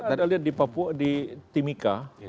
ada lihat di timika